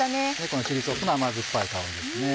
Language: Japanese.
このチリソースの甘酸っぱい香りですね。